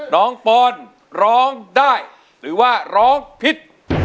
ปอนร้องได้หรือว่าร้องผิด